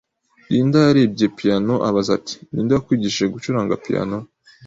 Linda yarebye piyano abaza ati "Ninde wakwigishije gucuranga piyano?"